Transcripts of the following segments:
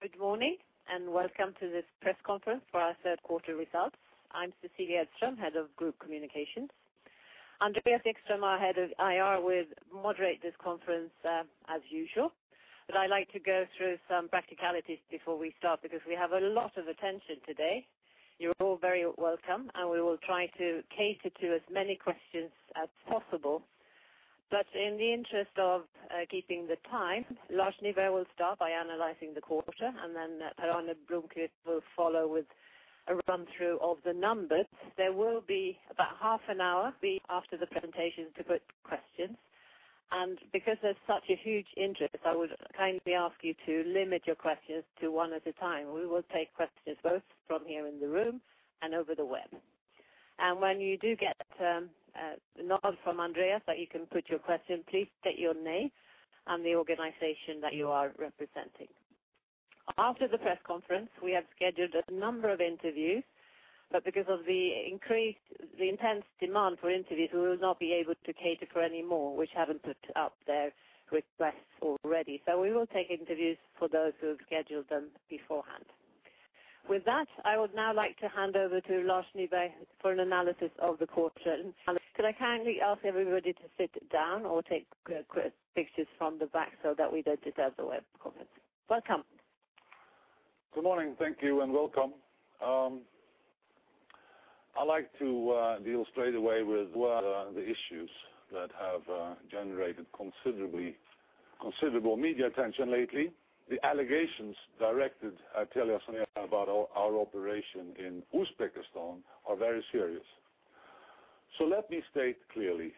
Good morning. Welcome to this press conference for our third quarter results. I'm Cecilia Edström, Head of Group Communications. Andreas Ekström, our Head of IR, will moderate this conference as usual. I'd like to go through some practicalities before we start, because we have a lot of attention today. You're all very welcome, and we will try to cater to as many questions as possible. In the interest of keeping the time, Lars Nyberg will start by analyzing the quarter. Per-Arne Blomquist will follow with a run-through of the numbers. There will be about half an hour after the presentation to put questions. Because there's such a huge interest, I would kindly ask you to limit your questions to one at a time. We will take questions both from here in the room and over the web. When you do get a nod from Andreas that you can put your question, please state your name and the organization that you are representing. After the press conference, we have scheduled a number of interviews. Because of the intense demand for interviews, we will not be able to cater for any more which haven't put up their requests already. We will take interviews for those who have scheduled them beforehand. With that, I would now like to hand over to Lars Nyberg for an analysis of the quarter. Could I kindly ask everybody to sit down or take pictures from the back so that we don't disturb the web conference? Welcome. Good morning. Thank you and welcome. I like to deal straight away with the issues that have generated considerable media attention lately. The allegations directed at TeliaSonera about our operation in Uzbekistan are very serious. Let me state clearly,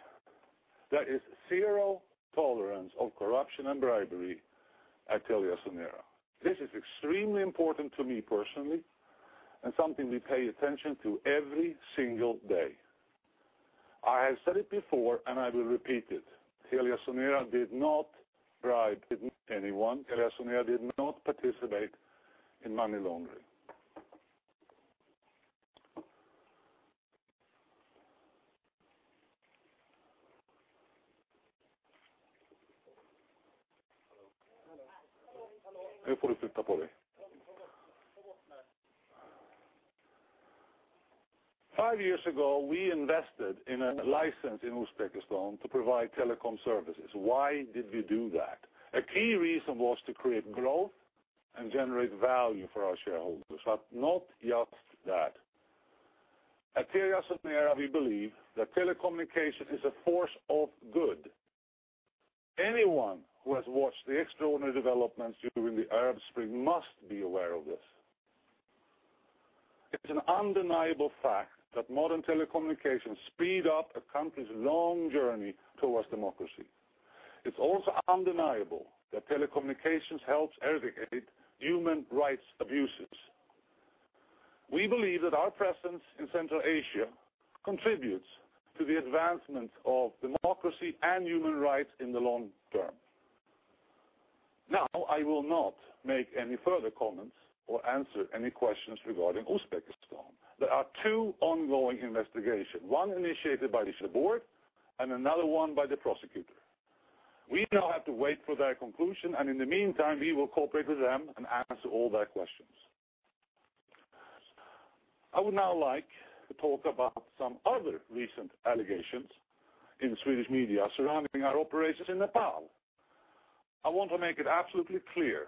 there is zero tolerance of corruption and bribery at TeliaSonera. This is extremely important to me personally and something we pay attention to every single day. I have said it before and I will repeat it. TeliaSonera did not bribe anyone. TeliaSonera did not participate in money laundering. Five years ago, we invested in a license in Uzbekistan to provide telecom services. Why did we do that? A key reason was to create growth and generate value for our shareholders. Not just that. At TeliaSonera, we believe that telecommunication is a force of good. Anyone who has watched the extraordinary developments during the Arab Spring must be aware of this. It's an undeniable fact that modern telecommunications speed up a country's long journey towards democracy. It's also undeniable that telecommunications helps eradicate human rights abuses. We believe that our presence in Central Asia contributes to the advancement of democracy and human rights in the long term. I will not make any further comments or answer any questions regarding Uzbekistan. There are two ongoing investigations, one initiated by the board and another one by the prosecutor. We now have to wait for their conclusion. In the meantime, we will cooperate with them and answer all their questions. I would now like to talk about some other recent allegations in Swedish media surrounding our operations in Nepal. I want to make it absolutely clear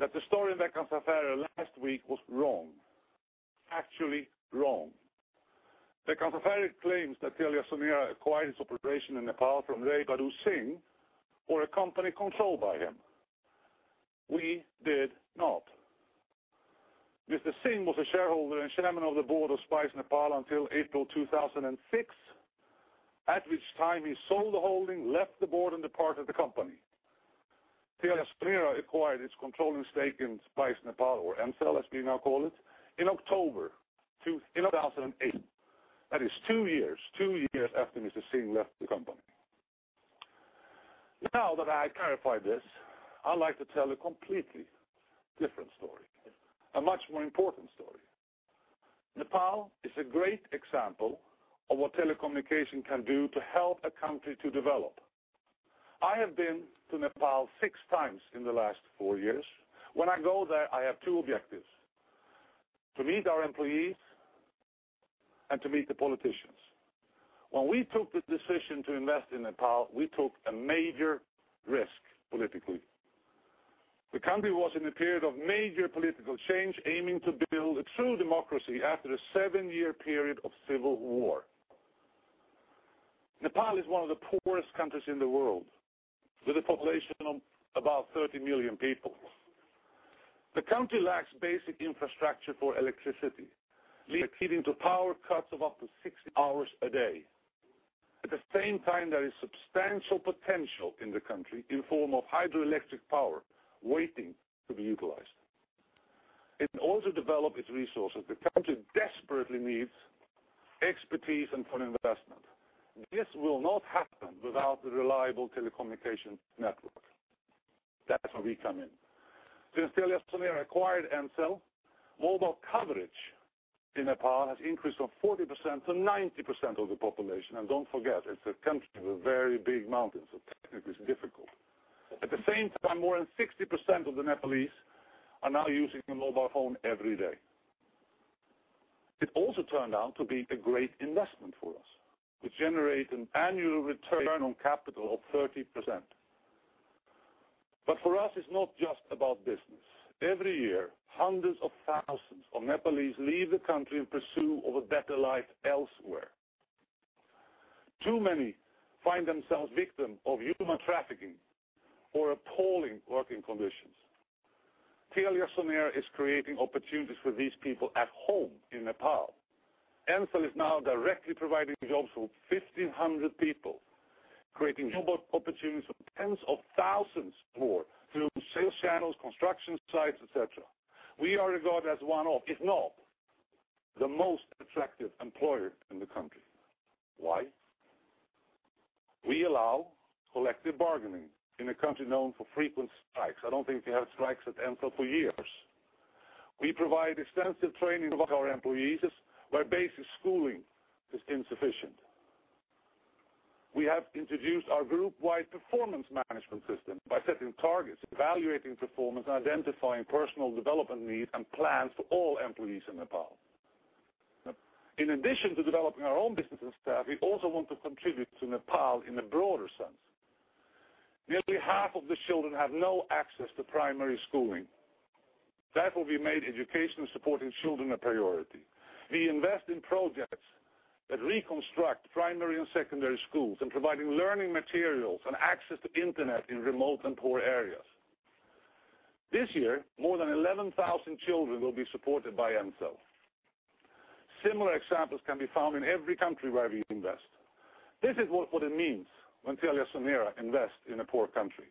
that the story in last week was wrong. Actually wrong. claims that TeliaSonera acquired its operation in Nepal from Niraj Govinda Shrestha or a company controlled by him. We did not. Mr. Shrestha was a shareholder and chairman of the board of Spice Nepal until April 2006, at which time he sold the holding, left the board, and departed the company. TeliaSonera acquired its controlling stake in Spice Nepal or Ncell, as we now call it, in October 2008. That is two years after Mr. Shrestha left the company. Now that I clarified this, I'd like to tell a completely different story, a much more important story. Nepal is a great example of what telecommunication can do to help a country to develop. I have been to Nepal six times in the last four years. When I go there, I have two objectives: to meet our employees and to meet the politicians. We took the decision to invest in Nepal, we took a major risk politically. The country was in a period of major political change, aiming to build a true democracy after a seven-year period of civil war. Nepal is one of the poorest countries in the world, with a population of about 30 million people. The country lacks basic infrastructure for electricity, leading to power cuts of up to 16 hours a day. At the same time, there is substantial potential in the country in form of hydroelectric power waiting to be utilized. In order to develop its resources, the country desperately needs expertise and foreign investment. This will not happen without the reliable telecommunication network. That's where we come in. Since TeliaSonera acquired Ncell, mobile coverage in Nepal has increased from 40% to 90% of the population. Don't forget, it's a country with very big mountains, so technically it's difficult. At the same time, more than 60% of the Nepalese are now using a mobile phone every day. It also turned out to be a great investment for us. We generate an annual return on capital of 30%. For us, it's not just about business. Every year, hundreds of thousands of Nepalese leave the country in pursue of a better life elsewhere. Too many find themselves victim of human trafficking or appalling working conditions. TeliaSonera is creating opportunities for these people at home in Nepal. Ncell is now directly providing jobs for 1,500 people, creating job opportunities for tens of thousands more through sales channels, construction sites, et cetera. We are regarded as one of, if not the most attractive employer in the country. Why? We allow collective bargaining in a country known for frequent strikes. I don't think we have strikes at Ncell for years. We provide extensive training of our employees where basic schooling is insufficient. We have introduced our group-wide performance management system by setting targets, evaluating performance, identifying personal development needs, and plans for all employees in Nepal. In addition to developing our own business and staff, we also want to contribute to Nepal in a broader sense. Nearly half of the children have no access to primary schooling. Therefore, we made education supporting children a priority. We invest in projects that reconstruct primary and secondary schools and providing learning materials and access to internet in remote and poor areas. This year, more than 11,000 children will be supported by Ncell. Similar examples can be found in every country where we invest. This is what it means when TeliaSonera invest in a poor country.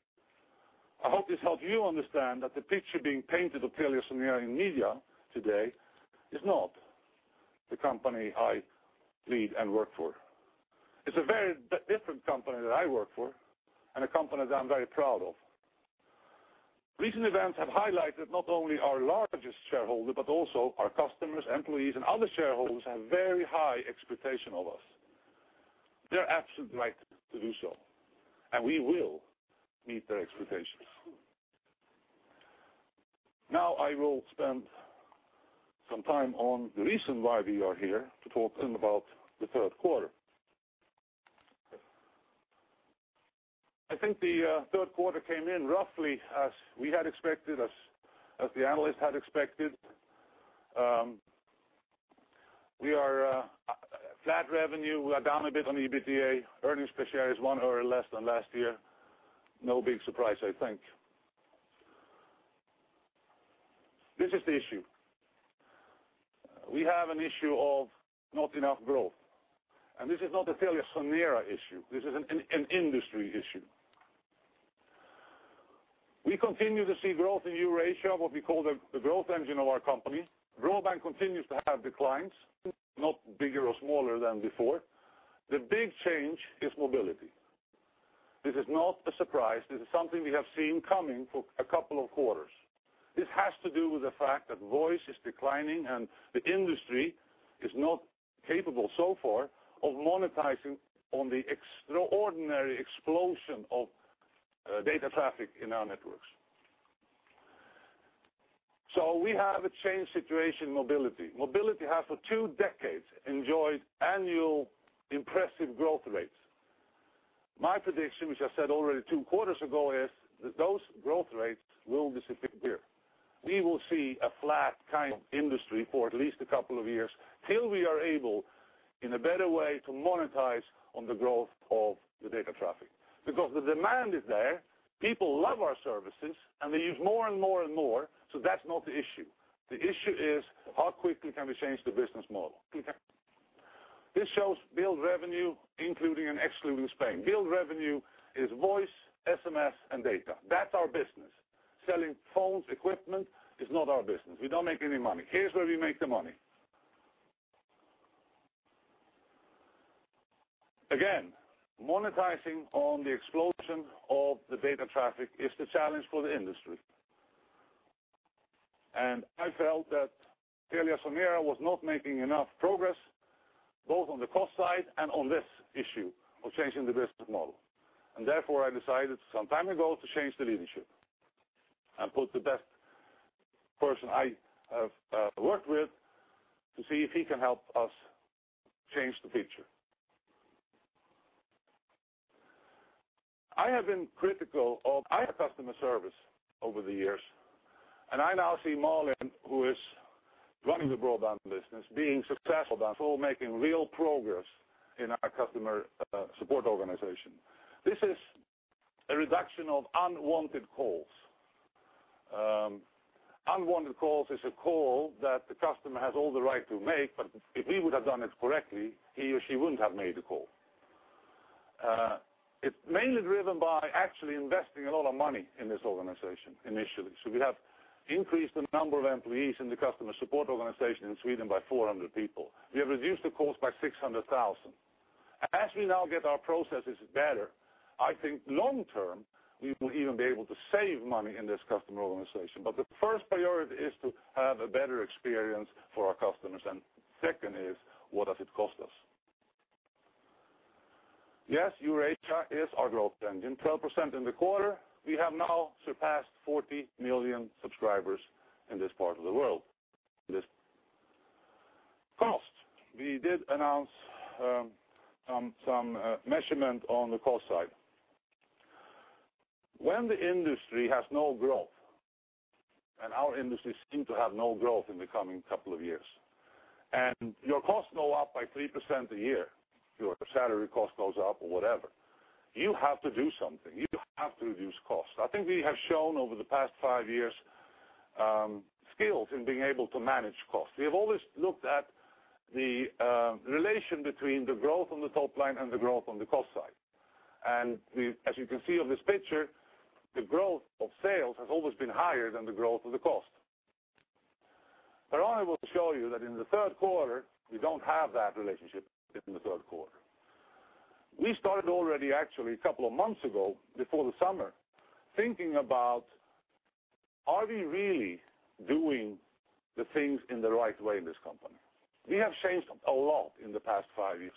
I hope this helps you understand that the picture being painted of TeliaSonera in media today is not the company I lead and work for. It's a very different company that I work for, and a company that I'm very proud of. Recent events have highlighted not only our largest shareholder, but also our customers, employees, and other shareholders have very high expectation of us. They're absolutely right to do so, and we will meet their expectations. I will spend some time on the reason why we are here to talk then about the third quarter. I think the third quarter came in roughly as we had expected, as the analyst had expected. We are a flat revenue. We are down a bit on the EBITDA. Earnings per share is 1 less than last year. No big surprise, I think. This is the issue. We have an issue of not enough growth, and this is not a TeliaSonera issue. This is an industry issue. We continue to see growth in Eurasia, what we call the growth engine of our company. Broadband continues to have declines, not bigger or smaller than before. The big change is mobility. This is not a surprise. This is something we have seen coming for a couple of quarters. This has to do with the fact that voice is declining and the industry is not capable so far of monetizing on the extraordinary explosion of data traffic in our networks. We have a change situation in mobility. Mobility has for two decades enjoyed annual impressive growth rates. My prediction, which I said already two quarters ago, is that those growth rates will disappear. We will see a flat kind of industry for at least a couple of years till we are able, in a better way, to monetize on the growth of the data traffic. The demand is there, people love our services, and they use more and more. That's not the issue. The issue is how quickly can we change the business model? This shows billed revenue, including and excluding Spain. Billed revenue is voice, SMS, and data. That's our business. Selling phones, equipment is not our business. We don't make any money. Here's where we make the money. Again, monetizing on the explosion of the data traffic is the challenge for the industry. I felt that TeliaSonera was not making enough progress, both on the cost side and on this issue of changing the business model. Therefore, I decided some time ago to change the leadership and put the best person I have worked with to see if he can help us change the picture. I have been critical of our customer service over the years, and I now see Malin, who is running the Broadband Services, being successful, making real progress in our customer support organization. This is a reduction of unwanted calls. Unwanted calls is a call that the customer has all the right to make, but if we would have done it correctly, he or she wouldn't have made the call. It's mainly driven by actually investing a lot of money in this organization initially. We have increased the number of employees in the customer support organization in Sweden by 400 people. We have reduced the calls by 600,000. As we now get our processes better, I think long-term, we will even be able to save money in this customer organization. The first priority is to have a better experience for our customers, and second is, what does it cost us? Yes, Eurasia is our growth engine, 12% in the quarter. We have now surpassed 40 million subscribers in this part of the world. Cost. We did announce some measures on the cost side. When the industry has no growth, and our industry seems to have no growth in the coming couple of years, and your costs go up by 3% a year, your salary cost goes up or whatever, you have to do something. You have to reduce costs. I think we have shown over the past five years, skills in being able to manage costs. As you can see on this picture, the growth of sales has always been higher than the growth of the cost. Per-Arne will show you that in the third quarter, we don't have that relationship in the third quarter. We started already actually a couple of months ago, before the summer, thinking about, are we really doing the things in the right way in this company? We have changed a lot in the past five years.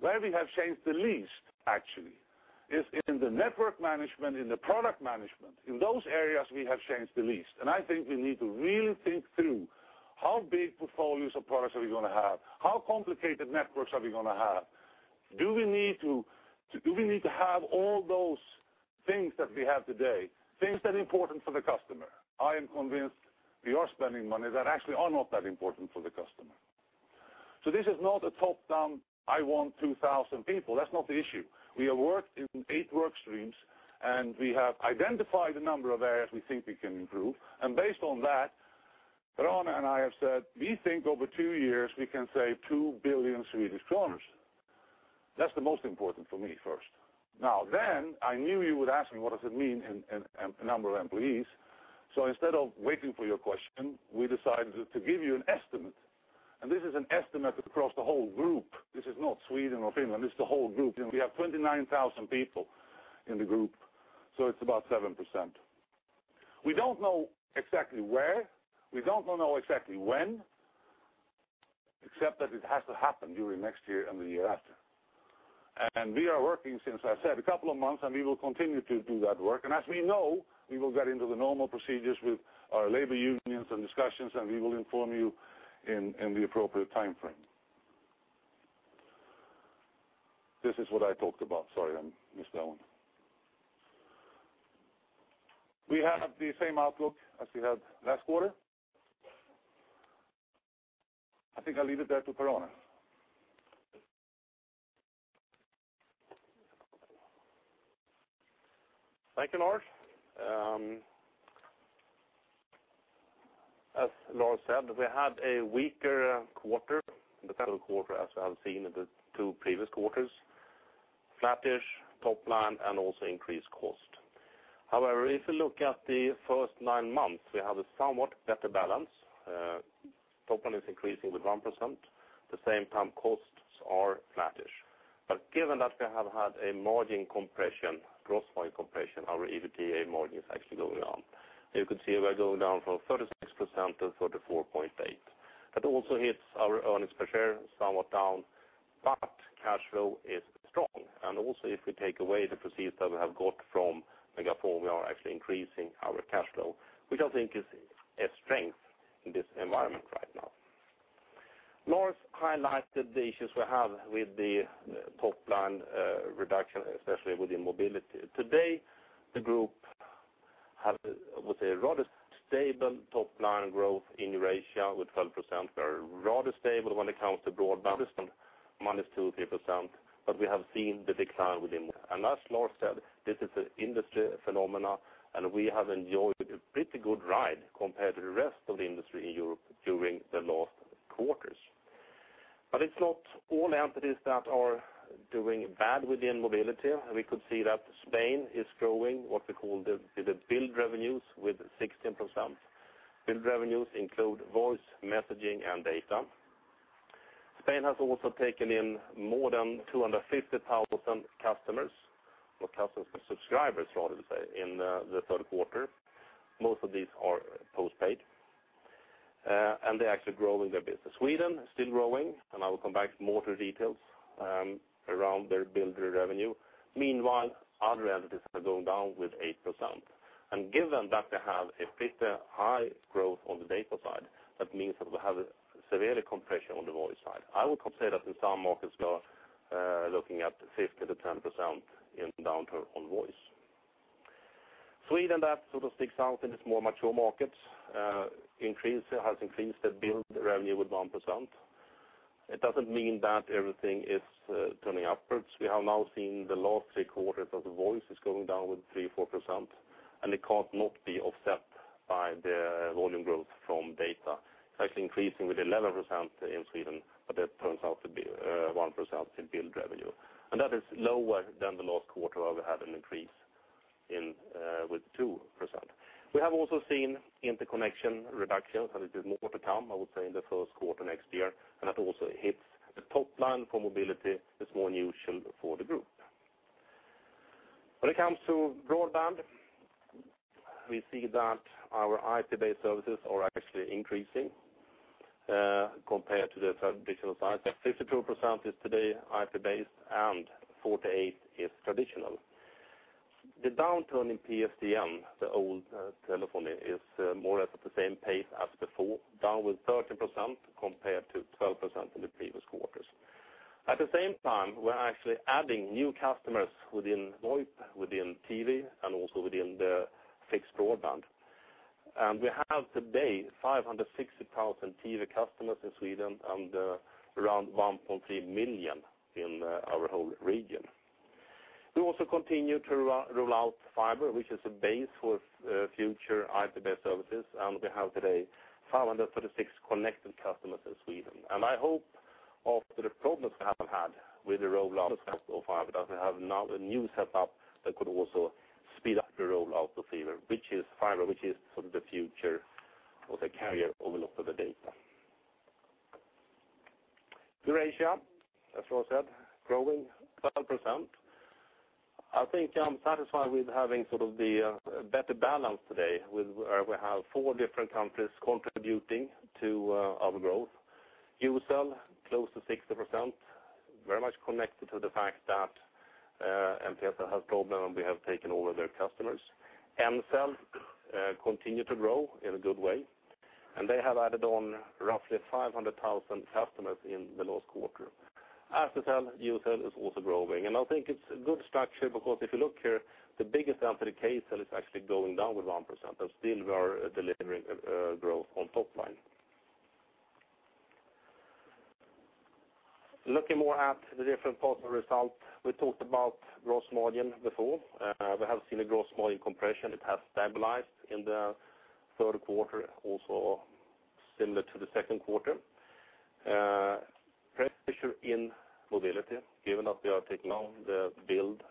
Where we have changed the least actually is in the network management, in the product management. In those areas, we have changed the least. And I think we need to really think through how big portfolios of products are we going to have? How complicated networks are we going to have? Do we need to have all those things that we have today, things that are important for the customer? I am convinced we are spending money that actually are not that important for the customer. So this is not a top-down, I want 2,000 people. That's not the issue. We have worked in eight work streams, and we have identified a number of areas we think we can improve. Based on that, Per-Arne and I have said, we think over two years, we can save 2 billion Swedish kronor. That's the most important for me first. Then I knew you would ask me what does it mean in number of employees. So instead of waiting for your question, we decided to give you an estimate. This is an estimate across the whole group. This is not Sweden or Finland, this is the whole group, and we have 29,000 people in the group, so it's about 7%. We don't know exactly where, we don't know exactly when, except that it has to happen during next year and the year after. We are working since, I said, a couple of months, and we will continue to do that work. As we know, we will get into the normal procedures with our labor unions and discussions, and we will inform you in the appropriate timeframe. This is what I talked about. Sorry, I missed that one. We have the same outlook as we had last quarter. I think I'll leave it there to Per-Arne. Thank you, Lars. As Lars said, we had a weaker quarter, the third quarter, as we have seen in the 2 previous quarters. Flattish top line and also increased cost. If you look at the first 9 months, we have a somewhat better balance. Top line is increasing with 1%, the same time costs are flattish. Given that we have had a margin compression, gross margin compression, our EBITDA margin is actually going down. You could see we are going down from 36% to 34.8%. That also hits our earnings per share, somewhat down, cash flow is strong. Also, if we take away the proceeds that we have got from MegaFon, we are actually increasing our cash flow, which I think is a strength in this environment right now. Lars highlighted the issues we have with the top-line reduction, especially within mobility. Today, the group has, I would say, a rather stable top-line growth in Eurasia with 12%, very rather stable when it comes to broadband, -2% or -3%, we have seen the decline within. As Lars said, this is an industry phenomenon, we have enjoyed a pretty good ride compared to the rest of the industry in Europe during the last quarters. It's not all entities that are doing bad within mobility. We could see that Spain is growing, what we call the billed revenues, with 16%. Billed revenues include voice, messaging, and data. Spain has also taken in more than 250,000 customers, or subscribers, rather say, in the third quarter. Most of these are post-paid, and they're actually growing their business. Sweden, still growing, I will come back to more details around their billed revenue. Meanwhile, other entities are going down with 8%. Given that they have a pretty high growth on the data side, that means that they have severe compression on the voice side. I would consider that in some markets, we are looking at 5%-10% in downturn on voice. Sweden, that sort of sticks out in this more mature markets, has increased the billed revenue with 1%. It doesn't mean that everything is turning upwards. We have now seen the last 3 quarters of the voice is going down with 3%, 4%, it cannot be offset by the volume growth from data. It's actually increasing with 11% in Sweden, that turns out to be 1% in billed revenue. That is lower than the last quarter where we had an increase in with 2%. We have also seen interconnection reductions, there's more to come, I would say, in the first quarter next year, that also hits the top line for mobility. It's more neutral for the group. When it comes to broadband, we see that our IP-based services are actually increasing compared to the traditional side. 52% is today IP-based, 48% is traditional. The downturn in PSTN, the old telephony, is more or less at the same pace as before, down with 13% compared to 12% in the previous quarters. At the same time, we're actually adding new customers within VoIP, within TV, also within the fixed broadband. We have today 560,000 TV customers in Sweden and around 1.3 million in our whole region. We also continue to roll out fiber, which is a base for future IP-based services, we have today 536 connected customers in Sweden. I hope after the problems we have had with the rollout of fiber, that we have now a new setup that could also speed up the rollout of fiber, which is the future of the carrier over the data. Eurasia, as I said, growing 12%. I think I'm satisfied with having the better balance today, where we have four different countries contributing to our growth. Ucell, close to 60%, very much connected to the fact that MTS has a problem, and we have taken over their customers. Kcell continue to grow in a good way, and they have added on roughly 500,000 customers in the last quarter. Azercell, Ucell is also growing. I think it's a good structure because if you look here, the biggest entity, Beeline, is actually going down with 1%, and still we are delivering growth on top line. Looking more at the different parts of results. We talked about gross margin before. We have seen a gross margin compression. It has stabilized in the third quarter, also similar to the second quarter. Pressure in mobility, given that we are taking on the build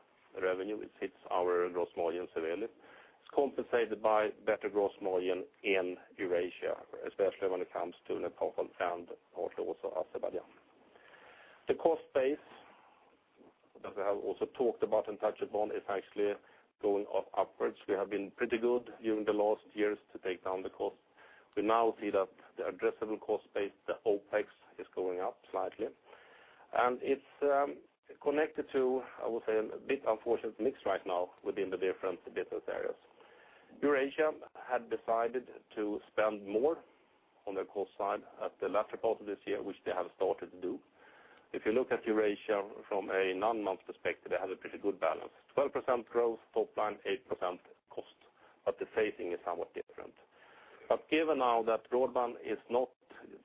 revenue, it hits our gross margin severely. It's compensated by better gross margin in Eurasia, especially when it comes to Nepal and also Azerbaijan. The cost base that I have also talked about and touched upon is actually going up upwards. We have been pretty good during the last years to take down the cost. We now see that the addressable cost base, the OpEx, is going up slightly. It's connected to, I would say, a bit unfortunate mix right now within the different business areas. Eurasia had decided to spend more on the cost side at the latter part of this year, which they have started to do. If you look at Eurasia from a non-month perspective, they have a pretty good balance. 12% growth top line, 8% cost, but the phasing is somewhat different. Given now that broadband is not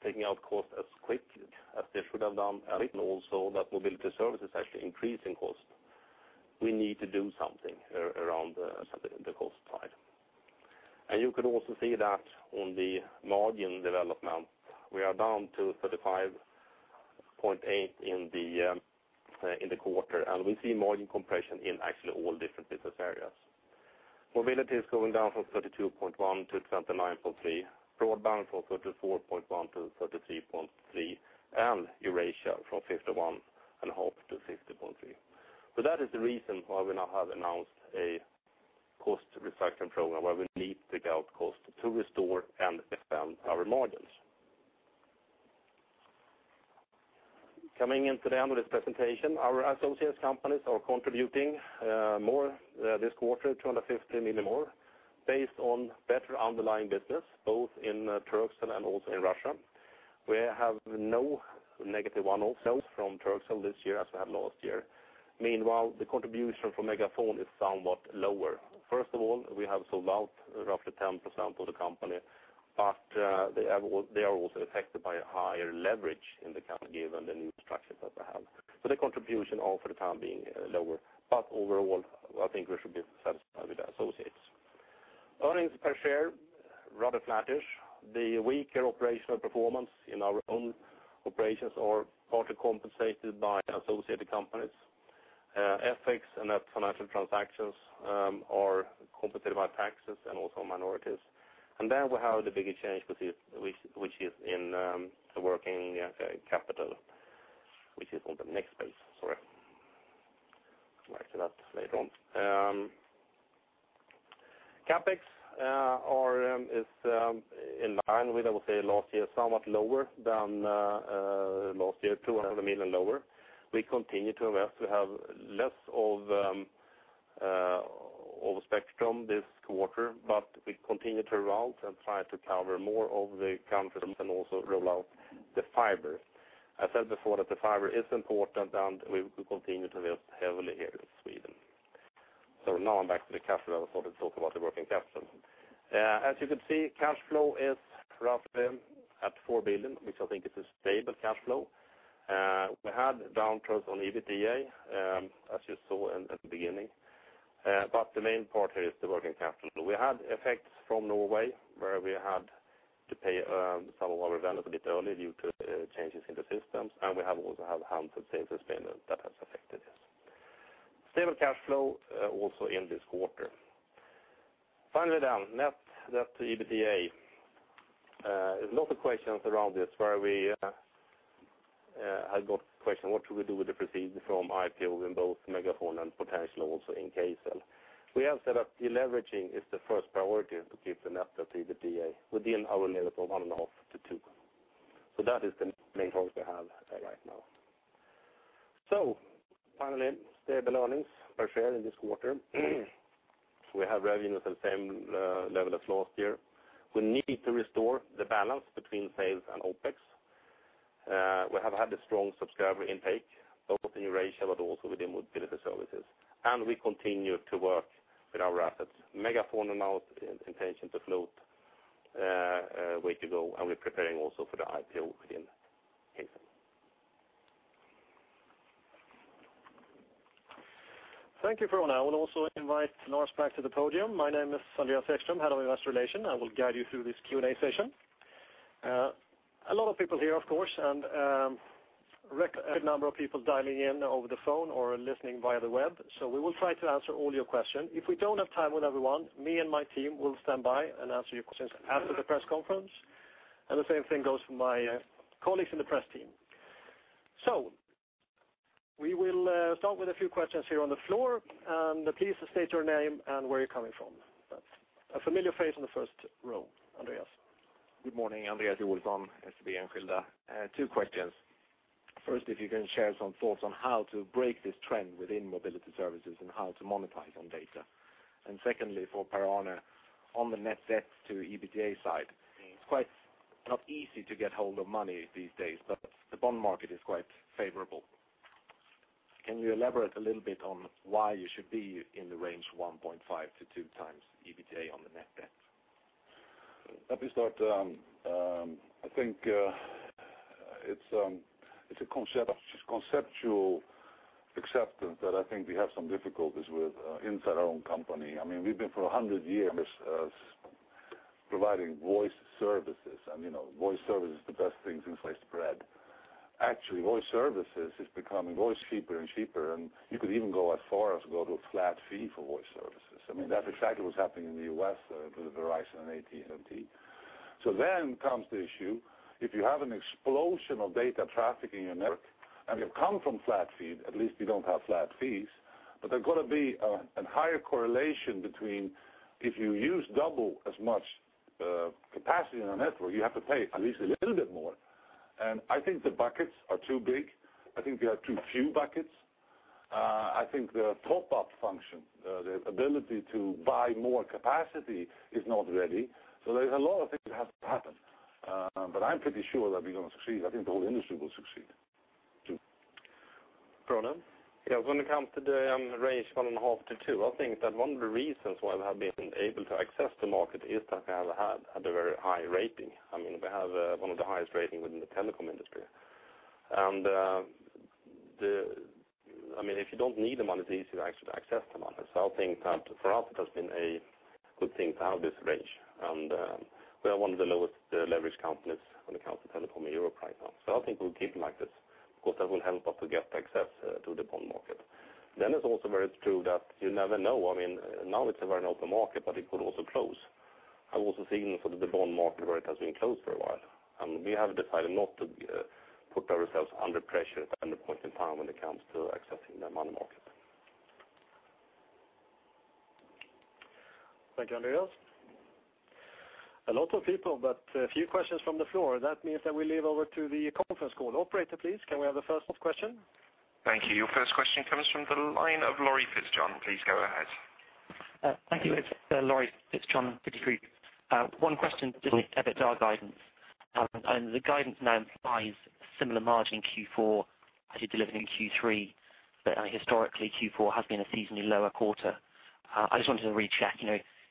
taking out cost as quick as they should have done, and also that mobility services are actually increasing cost, we need to do something around the cost side. You could also see that on the margin development. We are down to 35.8% in the quarter, and we see margin compression in actually all different business areas. Mobility is going down from 32.1%-29.3%. Broadband from 34.1%-33.3%, and Eurasia from 51% and up to 50.3%. That is the reason why we now have announced a cost reduction program where we need to take out cost to restore and defend our margins. Coming into the end of this presentation, our associates companies are contributing more this quarter, 250 million more, based on better underlying business, both in Turkcell and also in Russia. We have no negative one-offs from Turkcell this year as we have last year. Meanwhile, the contribution from MegaFon is somewhat lower. First of all, we have sold out roughly 10% of the company, but they are also affected by a higher leverage in the company given the new structure that they have. The contribution all for the time being lower. Overall, I think we should be satisfied with the associates. Earnings per share, rather flattish. The weaker operational performance in our own operations are partly compensated by associated companies. FX and net financial transactions are compensated by taxes and also minorities. We have the biggest change which is in the working capital, which is on the next page. Sorry. I'll get to that later on. CapEx is in line with, I would say, last year, somewhat lower than last year, 200 million lower. We continue to invest. We have less of a spectrum this quarter, but we continue to roll out and try to cover more of the country and also roll out the fiber. I said before that the fiber is important, and we continue to invest heavily here in Sweden. Now I'm back to the cash flow. I thought I'd talk about the working capital. As you can see, cash flow is roughly at 4 billion, which I think is a stable cash flow. We had downturns on EBITDA, as you saw in the beginning. The main part here is the working capital. We had effects from Norway, where we had to pay some of our vendors a bit early due to changes in the systems, and we have also had some sales in Spain that has affected us. Stable cash flow also in this quarter. Net debt-to-EBITDA. There's a lot of questions around this, where we have got question, what should we do with the proceeds from IPO in both MegaFon and potentially also in Kcell. We have said that de-leveraging is the first priority to keep the net debt-to-EBITDA within our level of 1.5-2. That is the main focus we have right now. Finally, stable earnings per share in this quarter. We have revenues at the same level as last year. We need to restore the balance between sales and OpEx. We have had a strong subscriber intake, both in Eurasia, but also within mobility services, and we continue to work with our assets. MegaFon, now, intention to float, way to go, and we're preparing also for the IPO within Kcell. Thank you, Per-Arne. I will also invite Lars back to the podium. My name is Andreas Ekström, Head of Investor Relations. I will guide you through this Q&A session. A lot of people here, of course, and a good number of people dialing in over the phone or listening via the web, so we will try to answer all your questions. If we don't have time with everyone, me and my team will stand by and answer your questions after the press conference. The same thing goes for my colleagues in the press team. We will start with a few questions here on the floor. Please state your name and where you're coming from. A familiar face in the first row. Andreas. Good morning. Andreas Olsson, SEB Enskilda. Two questions. First, if you can share some thoughts on how to break this trend within mobility services and how to monetize on data. Secondly, for Per-Arne, on the net debt-to-EBITDA side, it is not easy to get hold of money these days, but the bond market is quite favorable. Can you elaborate a little bit on why you should be in the range 1.5 to 2 times EBITDA on the net debt? Let me start. I think it is a conceptual acceptance that I think we have some difficulties with inside our own company. We have been for 100 years providing voice services. Voice service is the best thing since sliced bread. Actually, voice services is becoming always cheaper and cheaper. You could even go as far as go to a flat fee for voice services. That is exactly what is happening in the U.S. with Verizon and AT&T. Comes the issue, if you have an explosion of data traffic in your network, and you come from flat fee, at least we do not have flat fees, but there is got to be a higher correlation between if you use double as much capacity in our network, you have to pay at least a little bit more. I think the buckets are too big. I think there are too few buckets. I think the top-up function, the ability to buy more capacity is not ready. There is a lot of things that have to happen. I am pretty sure that we are going to succeed. I think the whole industry will succeed. Per-Arne? Yes, when it comes to the range 1.5 to 2, I think that one of the reasons why we have been able to access the market is that we have had a very high rating. We have one of the highest rating within the telecom industry. If you do not need the money, it is easier actually to access the money. I think that for us, it has been a good thing to have this range. We are one of the lowest leverage companies when it comes to telecom in Europe right now. I think we will keep like this, because that will help us to get access to the bond market. It is also very true that you never know. Now it is a very open market. It could also close. I've also seen the bond market where it has been closed for a while, and we have decided not to put ourselves under pressure at any point in time when it comes to accessing the money market. Thank you, Andreas. A lot of people, a few questions from the floor. That means that we leave over to the conference call. Operator, please, can we have the first question? Thank you. Your first question comes from the line of Laurie Fitzjohn. Please go ahead. Thank you. It's Laurie Fitzjohn, Citigroup. One question just on the EBITDA guidance. The guidance now implies similar margin in Q4 as you delivered in Q3. Historically, Q4 has been a seasonally lower quarter. I just wanted to recheck,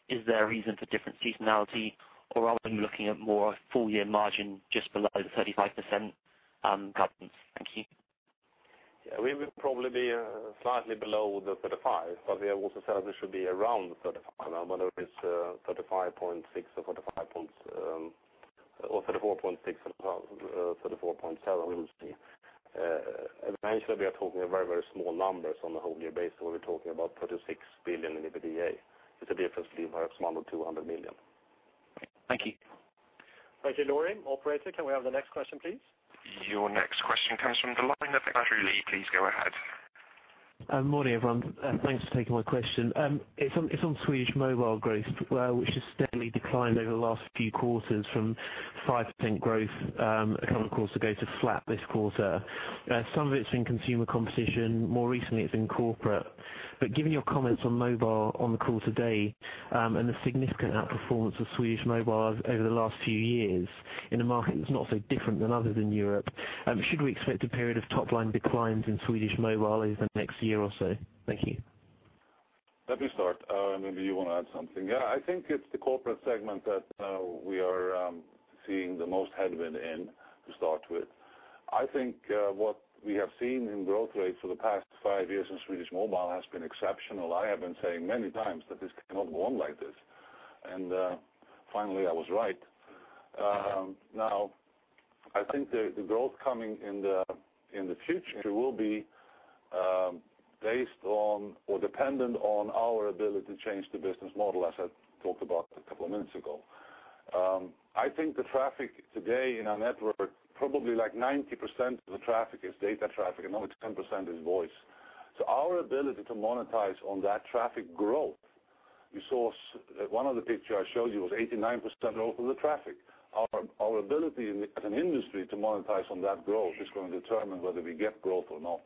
is there a reason for different seasonality, or are we looking at more a full-year margin just below the 35% guidance? Thank you. Yeah, we will probably be slightly below the 35, we have also said we should be around the 35, whether it's 35.6 or 34.6, 34.7, we will see. Eventually, we are talking very, very small numbers on the whole year basis. We're talking about 36 billion in EBITDA. It's a difference of perhaps 100 million, 200 million. Thank you. Thank you, Laurie. Operator, can we have the next question, please? Your next question comes from the line of Andrew Lee. Please go ahead. Morning, everyone. Thanks for taking my question. It's on Swedish mobile growth, which has steadily declined over the last few quarters from 5% growth current quarter, go to flat this quarter. Some of it's been consumer competition. More recently, it's been corporate. Given your comments on mobile on the call today, and the significant outperformance of Swedish mobile over the last few years in a market that's not so different than others in Europe, should we expect a period of top-line declines in Swedish mobile over the next year or so? Thank you. Let me start. Maybe you want to add something. Yeah, I think it's the corporate segment that we are seeing the most headwind in to start with. I think what we have seen in growth rates for the past five years in Swedish mobile has been exceptional. I have been saying many times that this cannot go on like this, and finally I was right. I think the growth coming in the future will be based on or dependent on our ability to change the business model, as I talked about a couple of minutes ago. I think the traffic today in our network, probably like 90% of the traffic is data traffic, and only 10% is voice. Our ability to monetize on that traffic growth, you saw one of the pictures I showed you was 89% growth of the traffic. Our ability as an industry to monetize on that growth is going to determine whether we get growth or not.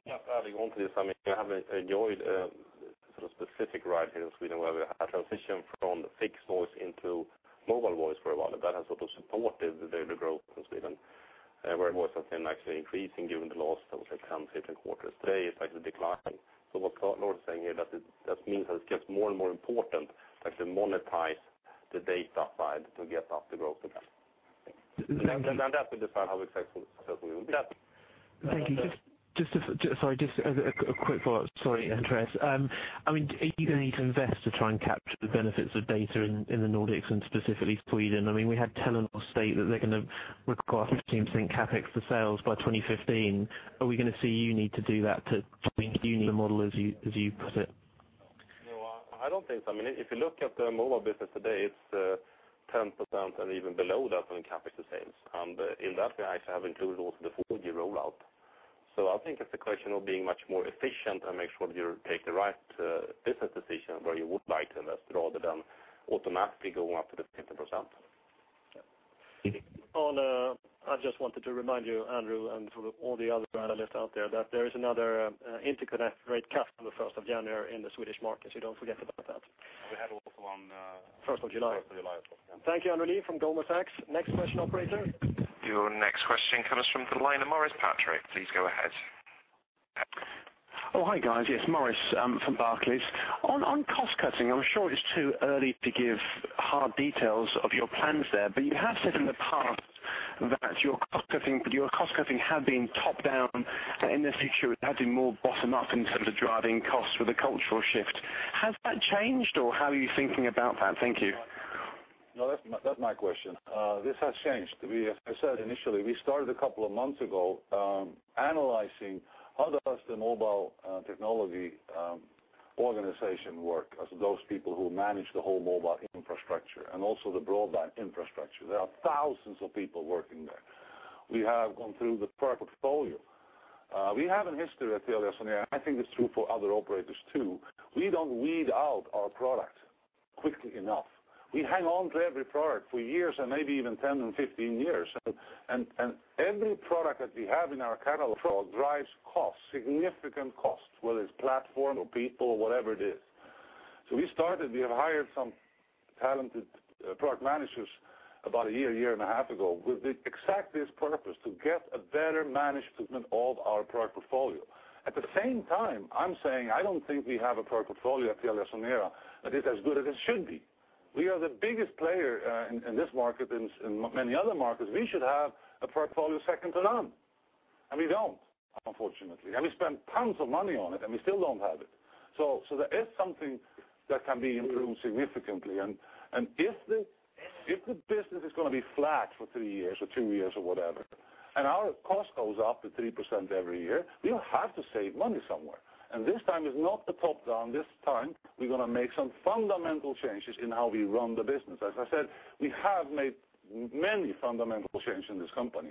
Just adding on to this, I mean, I have enjoyed sort of specific ride here in Sweden where we had a transition from fixed voice into mobile voice for a while, and that has sort of supported the data growth in Sweden, where voice has been actually increasing given the last, I would say, 10, 15 quarters. Today, it's actually declining. What Carl-Henric saying here, that means that it gets more and more important that they monetize the data side to get up the growth again. That will decide how successful we will be. Thank you. Sorry, just a quick follow-up. Sorry, Andreas. Are you going to need to invest to try and capture the benefits of data in the Nordics and specifically Sweden? We had Telenor state that they're going to require 15% CapEx to sales by 2015. Are we going to see you need to do that to change the model, as you put it? No, I don't think so. If you look at the mobile business today, it's 10% and even below that on CapEx to sales. In that, I have included also the 4G rollout. I think it's a question of being much more efficient and make sure you take the right business decision where you would like to invest rather than automatically go up to the 15%. Thank you. I just wanted to remind you, Andrew, and for all the other analysts out there, that there is another interconnect rate cut on the 1st of January in the Swedish market. Don't forget about that. We had also 1st of July. 1st of July, of course, yeah. Thank you, Andrew Lee from Goldman Sachs. Next question, operator. Your next question comes from the line of Maurice Patrick. Please go ahead. Hi, guys. Maurice from Barclays. On cost-cutting, I'm sure it's too early to give hard details of your plans there, but you have said in the past that your cost-cutting had been top-down. In the future, it had been more bottom-up in terms of driving costs with a cultural shift. Has that changed, or how are you thinking about that? Thank you. That's my question. This has changed. As I said initially, we started a couple of months ago, analyzing how does the mobile technology organization work as those people who manage the whole mobile infrastructure and also the broadband infrastructure. There are thousands of people working there. We have gone through the product portfolio. We have in history at TeliaSonera, and I think it's true for other operators too, we don't weed out our product quickly enough. We hang on to every product for years and maybe even 10 and 15 years. Every product that we have in our catalog drives costs, significant costs, whether it's platform or people, whatever it is. We started, we have hired some talented product managers about a year and a half ago with exactly this purpose, to get a better management of our product portfolio. At the same time, I'm saying I don't think we have a product portfolio at TeliaSonera that is as good as it should be. We are the biggest player in this market, in many other markets. We should have a portfolio second to none, and we don't, unfortunately. We spend tons of money on it, and we still don't have it. There is something that can be improved significantly. If the business is going to be flat for three years or two years or whatever, and our cost goes up to 3% every year, we'll have to save money somewhere. This time is not the top-down. This time, we're going to make some fundamental changes in how we run the business. As I said, we have made many fundamental changes in this company.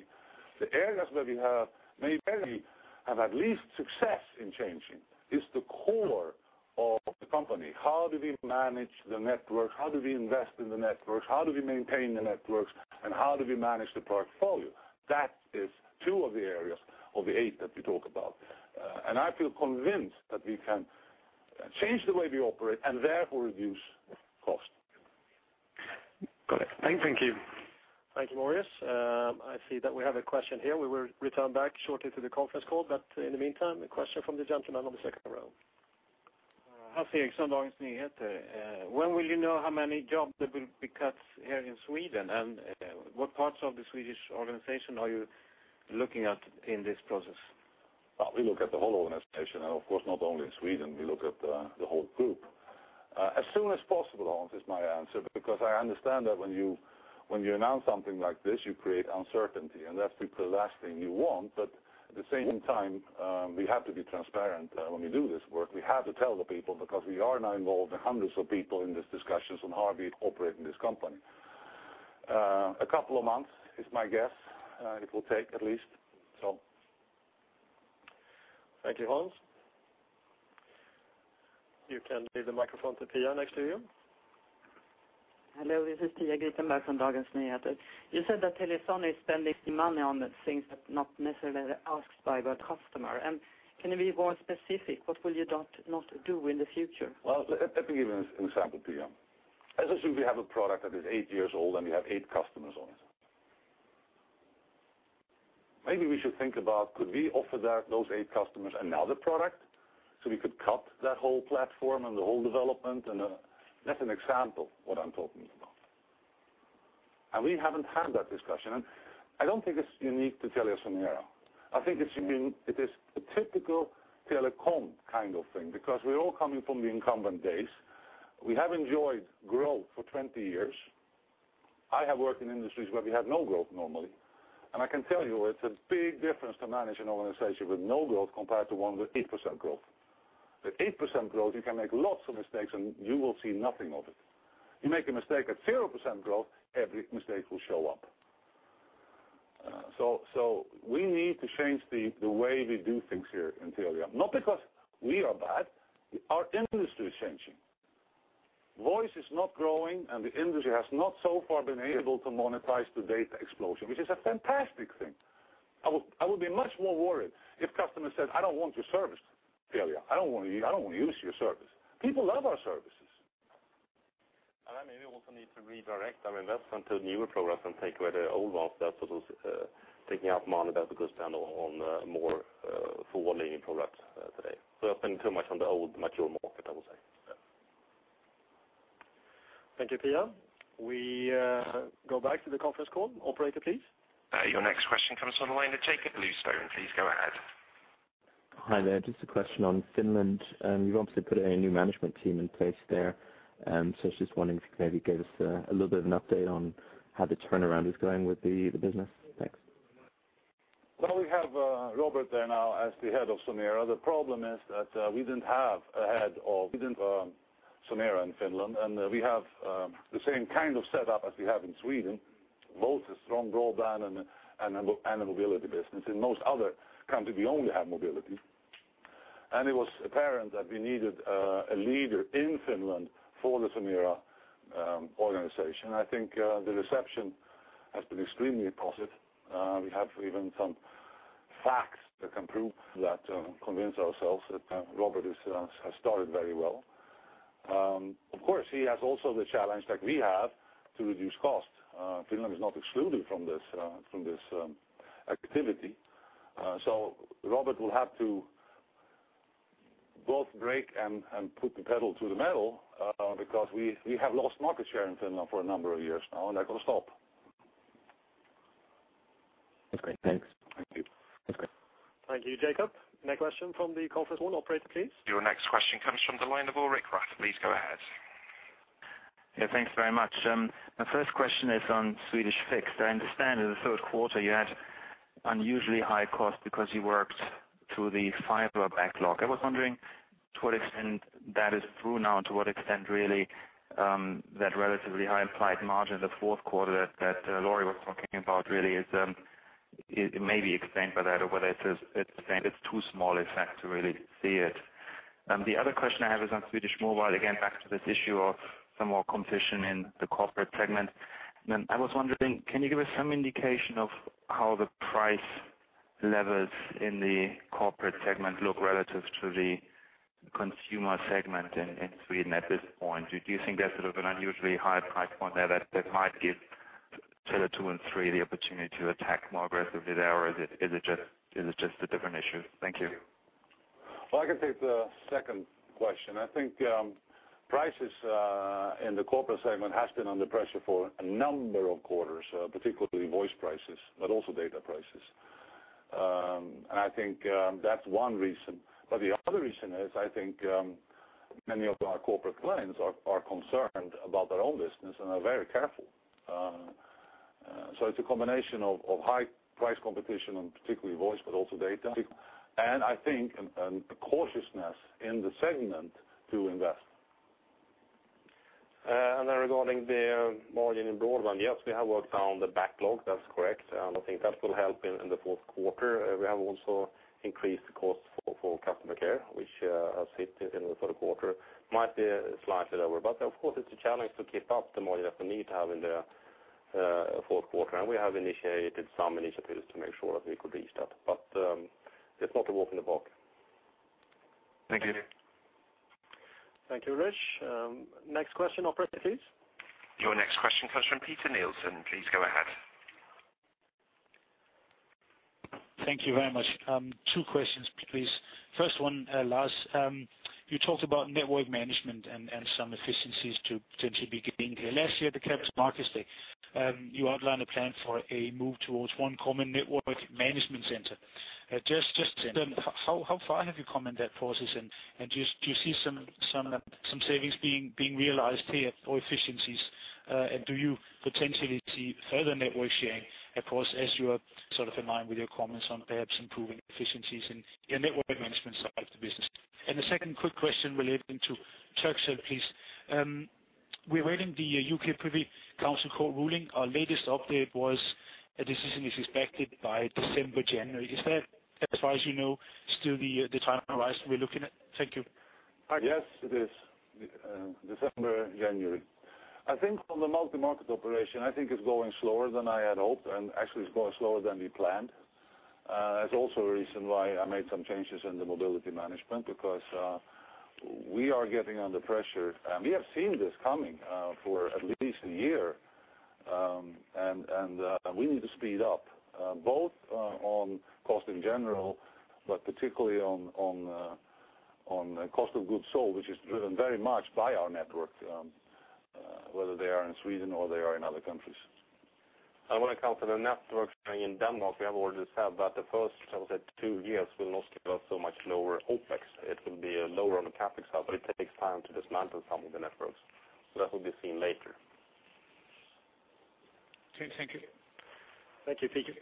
The areas where we have made very, have at least success in changing is the core of the company. How do we manage the network, how do we invest in the networks, how do we maintain the networks, and how do we manage the portfolio? That is two of the areas of the eight that we talk about. I feel convinced that we can change the way we operate and therefore reduce cost. Got it. Thank you. Thank you. Thank you, Maurice. I see that we have a question here. We will return back shortly to the conference call, but in the meantime, a question from the gentleman on the second row. Hans Eriksson, Dagens Nyheter. When will you know how many jobs that will be cut here in Sweden? What parts of the Swedish organization are you looking at in this process? We look at the whole organization, and of course, not only in Sweden, we look at the whole group. As soon as possible, Hans, is my answer, because I understand that when you announce something like this, you create uncertainty, and that's the last thing you want. At the same time, we have to be transparent when we do this work. We have to tell the people because we are now involved hundreds of people in these discussions on how we operate in this company. A couple of months is my guess it will take at least. Thank you, Hans. You can give the microphone to Pia next to you. Hello, this is Pia Gripenberg from Dagens Nyheter. You said that TeliaSonera is spending money on the things that not necessarily asked by the customer. Can you be more specific? What will you not do in the future? Well, let me give you an example, Pia. Let's assume we have a product that is eight years old, and we have eight customers on it. Maybe we should think about could we offer those eight customers another product, so we could cut that whole platform and the whole development. That's an example what I'm talking about. We haven't had that discussion, I don't think it's unique to TeliaSonera. I think it is a typical telecom kind of thing, because we're all coming from the incumbent days. We have enjoyed growth for 20 years. I have worked in industries where we have no growth normally, and I can tell you it's a big difference to manage an organization with no growth compared to one with 8% growth. With 8% growth, you can make lots of mistakes, and you will see nothing of it. You make a mistake at 0% growth, every mistake will show up. We need to change the way we do things here in Telia. Not because we are bad. Our industry is changing. Voice is not growing, the industry has not so far been able to monetize the data explosion, which is a fantastic thing. I would be much more worried if customers said, "I don't want your service, Telia. I don't want to use your service." People love our services. Maybe we also need to redirect our investment to newer products and take away the old ones that are taking up money that we could spend on more forward-leaning products today. We are spending too much on the old mature market, I would say. Yes. Thank you, Pia. We go back to the conference call. Operator, please. Your next question comes from the line of Jacob Luz Stone. Please go ahead. Hi there. Just a question on Finland. You've obviously put a new management team in place there, I was just wondering if you could maybe give us a little bit of an update on how the turnaround is going with the business. Thanks. Well, we have Robert there now as the head of Sonera. The problem is that we didn't have a head of Sonera in Finland, and we have the same kind of setup as we have in Sweden, both a strong broadband and a mobility business. In most other countries, we only have mobility. It was apparent that we needed a leader in Finland for the Sonera organization. I think the reception has been extremely positive. We have even some facts that can prove that, convince ourselves that Robert has started very well. Of course, he has also the challenge that we have to reduce cost. Finland is not excluded from this activity. Robert will have to both brake and put the pedal to the metal, because we have lost market share in Finland for a number of years now, and that got to stop. Okay, thanks. Thank you. That's great. Thank you, Jacob. Next question from the conference call, operator, please. Your next question comes from the line of Ulrich Rathe. Please go ahead. Yeah, thanks very much. My first question is on Swedish fixed. I understand in the third quarter, you had unusually high cost because you worked through the fiber backlog. I was wondering to what extent that is through now, to what extent really that relatively high implied margin in the fourth quarter that Laurie was talking about really may be explained by that, or whether it's too small effect to really see it. The other question I have is on Swedish mobile. Again, back to this issue of some more competition in the corporate segment. I was wondering, can you give us some indication of how the price levels in the corporate segment look relative to the consumer segment in Sweden at this point? Do you think there's sort of an unusually high price point there that might give Tele2 and Three the opportunity to attack more aggressively there, or is it just a different issue? Thank you. Well, I can take the second question. I think prices in the corporate segment has been under pressure for a number of quarters, particularly voice prices, but also data prices. I think that's one reason. The other reason is, I think many of our corporate clients are concerned about their own business and are very careful. It's a combination of high price competition on particularly voice, but also data. I think a cautiousness in the segment to invest. Regarding the margin in broadband, yes, we have worked on the backlog. That's correct, and I think that will help in the fourth quarter. We have also increased the cost for customer care, which has hit in the third quarter. Might be slightly lower. Of course, it's a challenge to keep up the margin that we need to have in the fourth quarter, and we have initiated some initiatives to make sure that we could reach that. It's not a walk in the park. Thank you. Thank you, Ulrich. Next question, operator, please. Your next question comes from Peter Nielsen. Please go ahead. Thank you very much. Two questions, please. First one, Lars. You talked about network management and some efficiencies to potentially be gained here. Last year at the Capital Markets Day, you outlined a plan for a move towards one common network management center. Just how far have you come in that process, and do you see some savings being realized here or efficiencies? Do you potentially see further network sharing, of course, as you are in line with your comments on perhaps improving efficiencies in your network management side of the business? The second quick question relating to Turkcell, please. We're awaiting the U.K. Privy Council Court ruling. Our latest update was a decision is expected by December, January. Is that, as far as you know, still the time horizon we're looking at? Thank you. Yes, it is. December, January. I think on the multi-market operation, I think it's going slower than I had hoped, and actually it's going slower than we planned. That's also a reason why I made some changes in the mobility management, because We are getting under pressure, and we have seen this coming for at least a year. We need to speed up, both on cost in general, but particularly on cost of goods sold, which is driven very much by our network, whether they are in Sweden or they are in other countries. I want to come to the network in Denmark. We have already said that the first, I would say, two years will not give us so much lower OpEx. It will be lower on the CapEx side, but it takes time to dismantle some of the networks. That will be seen later. Okay. Thank you. Thank you, Peter.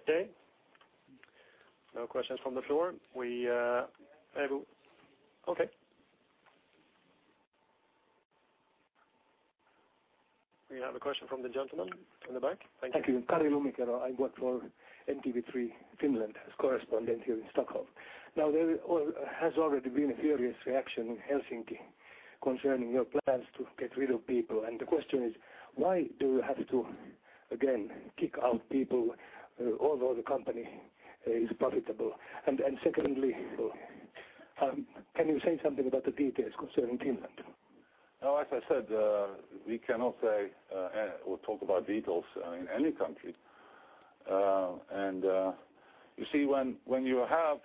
No questions from the floor. We have a question from the gentleman in the back. Thank you. Thank you. Kari Lumikero. I work for MTV3 Finland as correspondent here in Stockholm. There has already been a furious reaction in Helsinki concerning your plans to get rid of people. The question is, why do you have to, again, kick out people although the company is profitable? Secondly, can you say something about the details concerning Finland? As I said, we cannot say or talk about details in any country. You see, when you have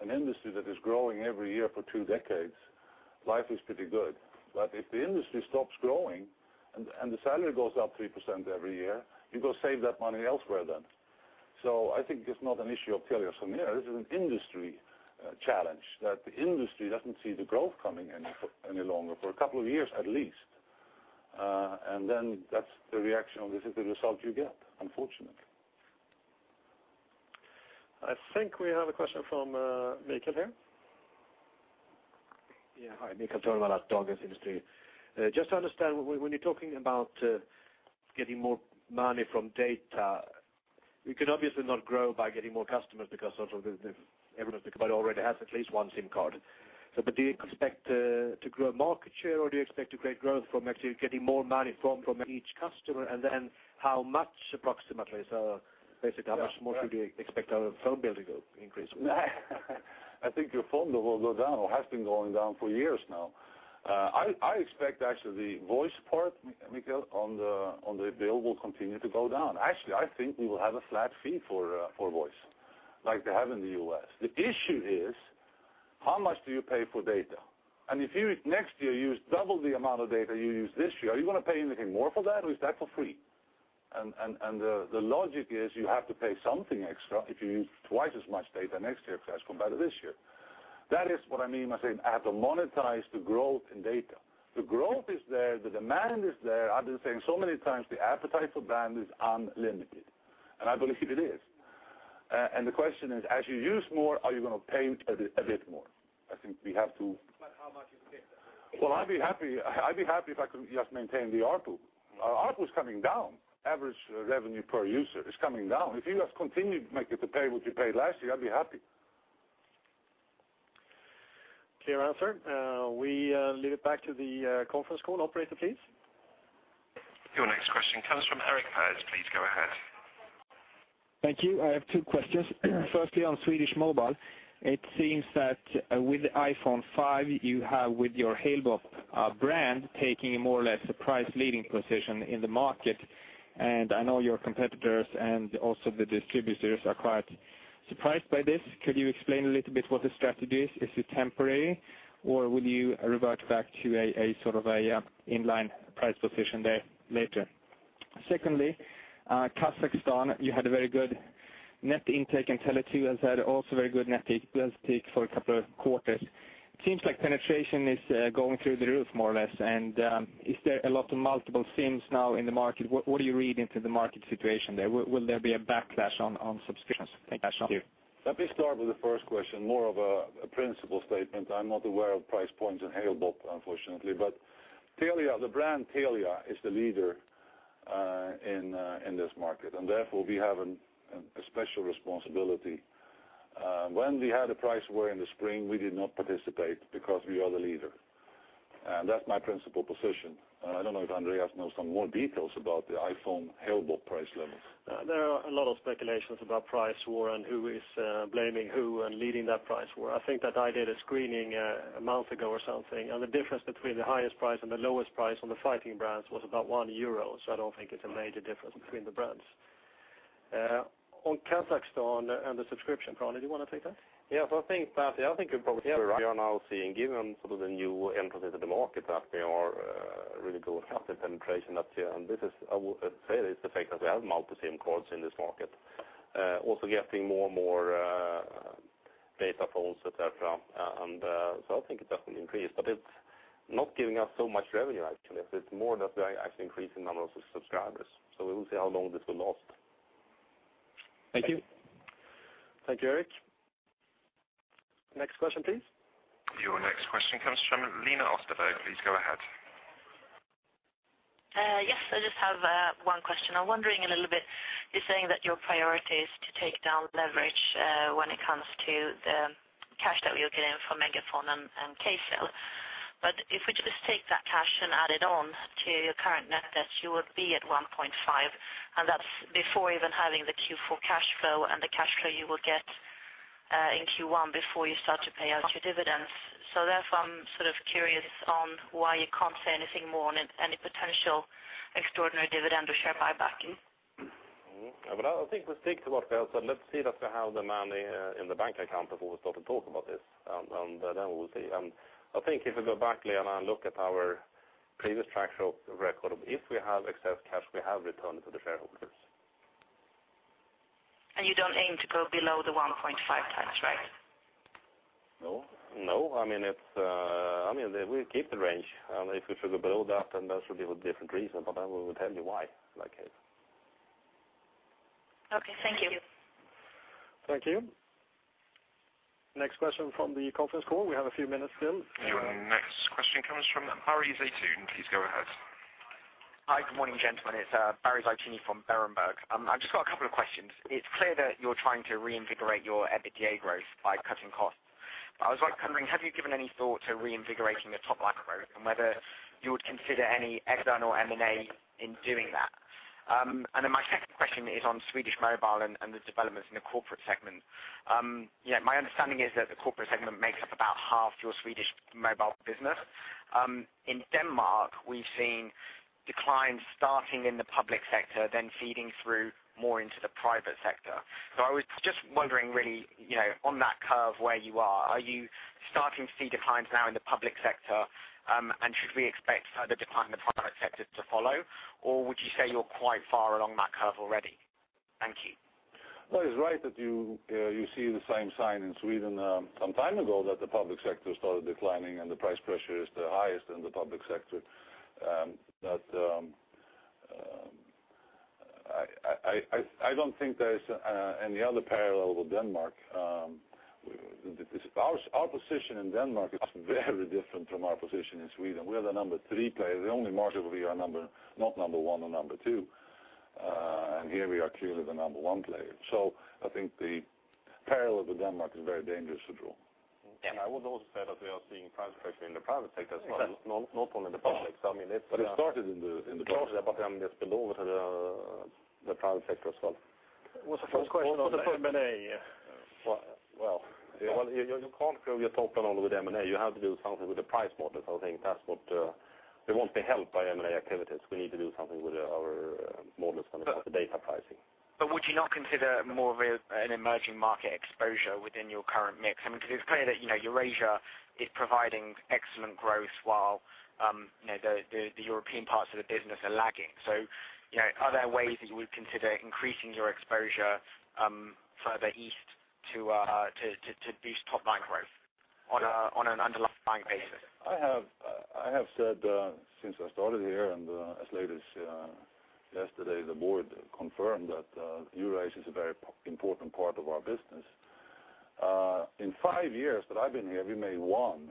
an industry that is growing every year for two decades, life is pretty good. If the industry stops growing and the salary goes up 3% every year, you go save that money elsewhere then. I think it's not an issue of TeliaSonera. This is an industry challenge, that the industry doesn't see the growth coming any longer, for a couple of years, at least. Then that's the reaction, or this is the result you get, unfortunately. I think we have a question from Mikael here. Yeah. Hi, Mikael Törnvall at Dagens Industri. Just to understand, when you're talking about getting more money from data, you can obviously not grow by getting more customers because everyone already has at least one SIM card. Do you expect to grow market share, or do you expect to create growth from actually getting more money from each customer? Then how much, approximately, so basically how much more should we expect our phone bill to increase? I think your phone bill will go down or has been going down for years now. I expect actually the voice part, Mikael, on the bill will continue to go down. Actually, I think we will have a flat fee for voice, like they have in the U.S. The issue is, how much do you pay for data? If next year you use double the amount of data you used this year, are you going to pay anything more for that, or is that for free? The logic is you have to pay something extra if you use twice as much data next year as compared to this year. That is what I mean when I say I have to monetize the growth in data. The growth is there. The demand is there. I've been saying so many times, the appetite for band is unlimited, and I believe it is. The question is, as you use more, are you going to pay a bit more? I think we have to. how much is bit? Well, I'd be happy if I could just maintain the ARPU. ARPU is coming down. Average revenue per user is coming down. If you just continue, Mikael, to pay what you paid last year, I'd be happy. Clear answer. We leave it back to the conference call operator, please. Your next question comes from Erik Pettersson. Please go ahead. Thank you. I have two questions. Firstly, on Swedish Mobile, it seems that with the iPhone 5, you have with your Halebop brand taking a more or less price-leading position in the market. I know your competitors and also the distributors are quite surprised by this. Could you explain a little bit what the strategy is? Is it temporary, or will you revert back to a sort of inline price position there later? Secondly, Kazakhstan, you had a very good net intake, and Tele2 has had also very good net intake for a couple of quarters. It seems like penetration is going through the roof, more or less. Is there a lot of multiple SIMs now in the market? What are you reading through the market situation there? Will there be a backlash on subscriptions? Thank you. Let me start with the first question, more of a principle statement. I'm not aware of price points in Halebop, unfortunately. The brand Telia is the leader in this market, and therefore we have a special responsibility. When we had a price war in the spring, we did not participate because we are the leader. That's my principle position. I don't know if Andreas knows some more details about the iPhone Halebop price levels. There are a lot of speculations about price war and who is blaming who and leading that price war. I think that I did a screening a month ago or something, and the difference between the highest price and the lowest price on the fighting brands was about 1 euro, I don't think it's a major difference between the brands. On Kazakhstan and the subscription, Per-Arne, do you want to take that? Yes, I think, Peth, you're probably right. We are now seeing, given the new entrants into the market, that they are really good customer penetration up here, and this is, I would say, is the fact that we have multi-SIM cards in this market. Also getting more and more data phones, et cetera. I think it does increase, but it's not giving us so much revenue, actually. It's more that we are actually increasing the number of subscribers. We will see how long this will last. Thank you. Thank you, Erik. Next question, please. Your next question comes from Lena Österberg. Please go ahead. Yes, I just have one question. I'm wondering a little bit, you're saying that your priority is to take down leverage when it comes to the cash that you're getting from MegaFon and Kcell. If we just take that cash and add it on to your current net debt, you would be at 1.5, and that's before even having the Q4 cash flow and the cash flow you will get in Q1 before you start to pay out your dividends. Therefore, I'm curious on why you can't say anything more on any potential extraordinary dividend or share buyback. I think we'll stick to what we said. Let's see that we have the money in the bank account before we start to talk about this, and then we will see. I think if we go back, Lena, and look at our previous track record, if we have excess cash, we have returned to the shareholders. You don't aim to go below the 1.5 times, right? No. We keep the range. If we should go below that, then there should be a different reason, then we will tell you why, in that case. Okay. Thank you. Thank you. Next question from the conference call. We have a few minutes still. Your next question comes from Barry Zeitoune. Please go ahead. Hi. Good morning, gentlemen. It's Barry Zeitoune from Berenberg. I've just got a couple of questions. It's clear that you're trying to reinvigorate your EBITDA growth by cutting costs, but I was wondering, have you given any thought to reinvigorating the top line growth and whether you would consider any external M&A in doing that? My second question is on Swedish Mobile and the developments in the corporate segment. My understanding is that the corporate segment makes up about half your Swedish Mobile business. In Denmark, we've seen declines starting in the public sector, then feeding through more into the private sector. I was just wondering really, on that curve where you are you starting to see declines now in the public sector? Should we expect further decline in the private sector to follow? Would you say you're quite far along that curve already? Thank you. Well, it's right that you see the same sign in Sweden some time ago that the public sector started declining and the price pressure is the highest in the public sector. I don't think there's any other parallel with Denmark. Our position in Denmark is very different from our position in Sweden. We are the number three player. The only market we are not number one or number two. Here we are clearly the number one player. I think the parallel with Denmark is very dangerous to draw. I would also say that we are seeing price pressure in the private sector as well, not only the public. It started in the public. It started, but then it spilled over to the private sector as well. What's the first question on the M&A? You can't grow your top line only with M&A. You have to do something with the price model. I think it won't be helped by M&A activities. We need to do something with our models when it comes to data pricing. Would you not consider more of an emerging market exposure within your current mix? Because it's clear that Eurasia is providing excellent growth while the European parts of the business are lagging. Are there ways that you would consider increasing your exposure further east to boost top line growth on an underlying basis? I have said since I started here, and as late as yesterday, the board confirmed that Eurasia is a very important part of our business. In five years that I've been here, we made one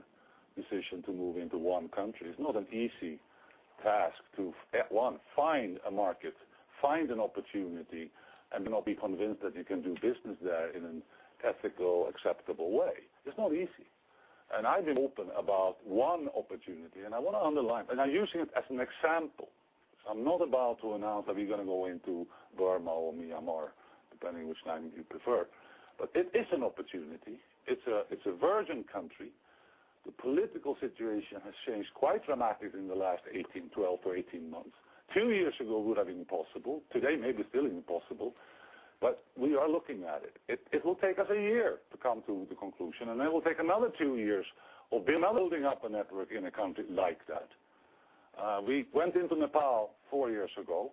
decision to move into one country. It's not an easy task to, one, find a market, find an opportunity, and then now be convinced that you can do business there in an ethical, acceptable way. It's not easy. I've been open about one opportunity, and I want to underline, and I'm using it as an example. I'm not about to announce that we're going to go into Burma or Myanmar, depending which naming you prefer. It is an opportunity. It's a virgin country. The political situation has changed quite dramatically in the last 12 to 18 months. Two years ago, would have been impossible. Today, maybe still impossible, but we are looking at it. It will take us a year to come to the conclusion, and then it will take another two years of building up a network in a country like that. We went into Nepal four years ago,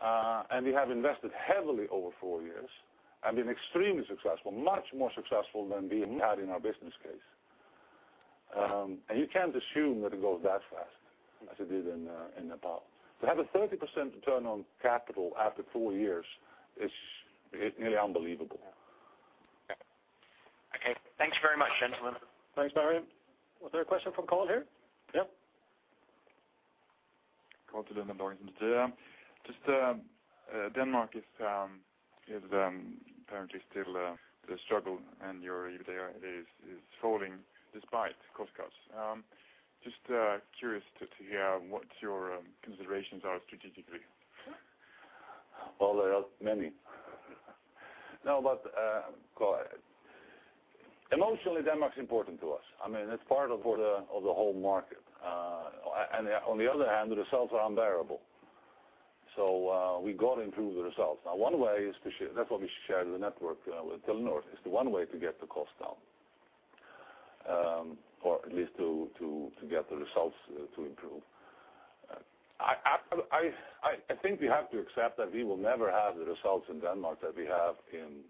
and we have invested heavily over four years and been extremely successful, much more successful than we had in our business case. You can't assume that it goes that fast as it did in Nepal. To have a 30% return on capital after four years is nearly unbelievable. Okay. Thanks very much, gentlemen. Thanks, Barry. Was there a question from call here? Yeah. Call to the Just Denmark is apparently still a struggle, and there it is falling despite cost cuts. Just curious to hear what your considerations are strategically. Well, there are many. No, emotionally, Denmark's important to us. It's part of the whole market. On the other hand, the results are unbearable. We got to improve the results. Now, one way is to share. That's why we shared the network with Telenor. It's the one way to get the cost down, or at least to get the results to improve. I think we have to accept that we will never have the results in Denmark that we have in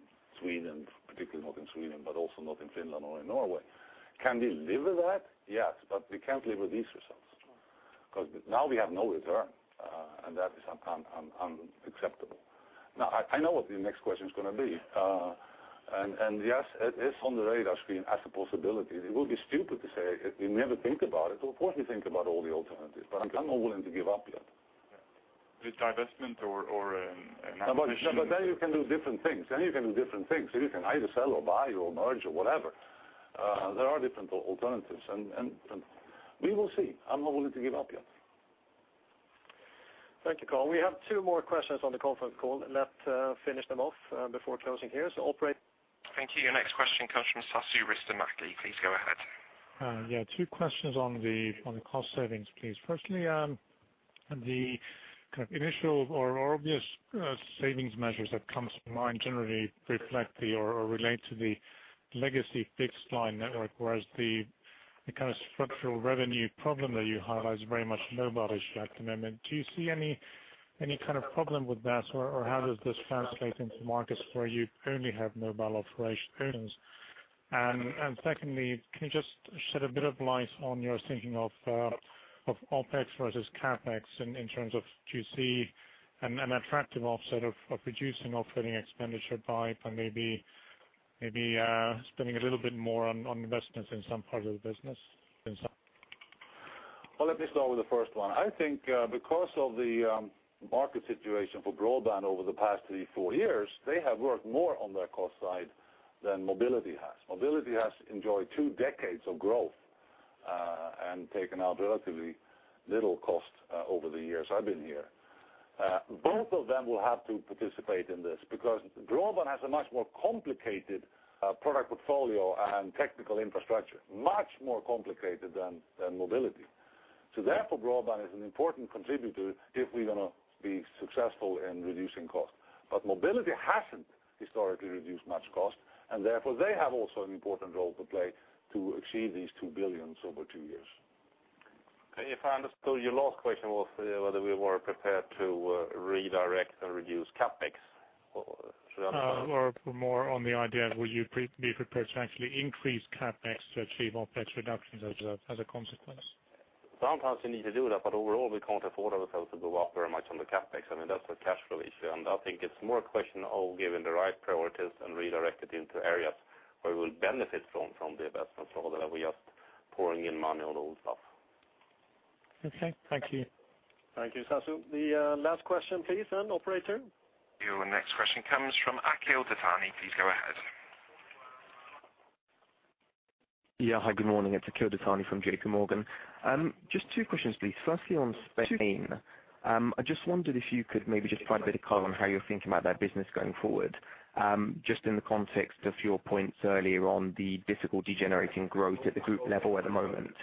Sweden, particularly not in Sweden, but also not in Finland or in Norway. Can we live with that? Yes, but we can't live with these results. Now we have no return, and that is unacceptable. Now, I know what the next question is going to be. Yes, it is on the radar screen as a possibility. It would be stupid to say we never think about it. Of course, we think about all the alternatives, but I'm not willing to give up yet. The divestment or an acquisition? You can do different things. You can do different things. You can either sell or buy or merge or whatever. There are different alternatives, and we will see. I'm not willing to give up yet. Thank you, Carl. We have two more questions on the conference call. Let's finish them off before closing here. Operator. Thank you. Your next question comes from Sasu Ristimäki. Please go ahead. Yeah. Two questions on the cost savings, please. Firstly, the initial or obvious savings measures that comes to mind generally reflect or relate to the legacy fixed line network, whereas the structural revenue problem that you highlight is very much mobile-ish commitment. Do you see any kind of problem with that, or how does this translate into markets where you only have mobile operations? Secondly, can you just shed a bit of light on your thinking of OpEx versus CapEx in terms of do you see an attractive offset of reducing operating expenditure by maybe spending a little bit more on investments in some part of the business than some? Well, let me start with the first one. I think because of the market situation for broadband over the past three, four years, they have worked more on their cost side than mobility has. Mobility has enjoyed two decades of growth, and taken out relatively little cost over the years I've been here. Both of them will have to participate in this because broadband has a much more complicated product portfolio and technical infrastructure. Much more complicated than mobility. Therefore, broadband is an important contributor if we're going to be successful in reducing cost. Mobility hasn't historically reduced much cost, and therefore they have also an important role to play to achieve these 2 billion over two years. If I understood, your last question was whether we were prepared to redirect and reduce CapEx. Should I understand? More on the idea of will you be prepared to actually increase CapEx to achieve OpEx reductions as a consequence? Sometimes you need to do that, overall we can't afford ourselves to go up very much on the CapEx. I mean, that's a cash flow issue, and I think it's more a question of giving the right priorities and redirect it into areas where we'll benefit from the investments, rather than we just pouring in money on old stuff. Okay. Thank you. Thank you, Sasu Ristimäki. The last question, please. Operator. Your next question comes from Akhil Dattani. Please go ahead. Yeah. Hi, good morning. It's Akhil Dattani from JP Morgan. Just two questions, please. Firstly, on Spain. I just wondered if you could maybe just provide a bit of color on how you're thinking about that business going forward. Just in the context of your points earlier on the difficulty generating growth at the group level at the moment.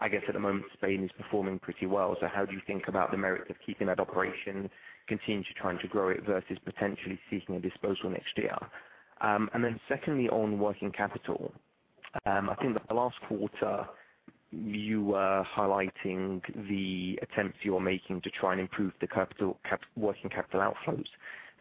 I guess at the moment, Spain is performing pretty well. So how do you think about the merits of keeping that operation, continue to trying to grow it versus potentially seeking a disposal next year? Then secondly, on working capital. I think in the last quarter, you were highlighting the attempts you're making to try and improve the working capital outflows